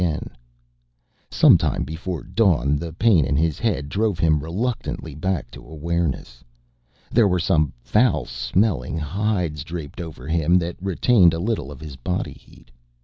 Sometime before dawn the pain in his head drove him reluctantly back to awareness. There were some foul smelling hides draped over him that retained a little of his body heat.